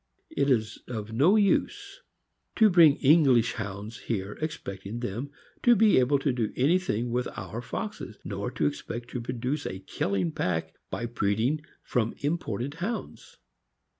It is of no use to bring English Hounds here expecting them to be able to do anything with our foxes; nor to expect to produce a killing pack by breeding from im ported Hounds.